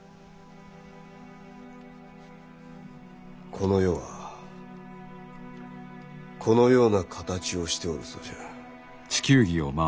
この世はこのような形をしておるそうじゃ。